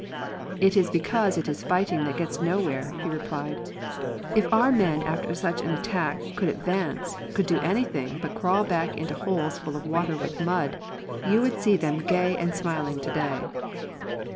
"It is because it is fighting that gets nowhere," he replied. "If our men, after such an attack, could advance, could do anything but crawl back into holes full of water and mud, you would see them gay and smiling to day."